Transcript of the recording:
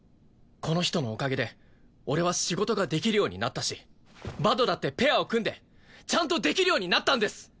この人のおかげで俺は仕事ができるようになったしバドだってペアを組んでちゃんとできるようになったんです！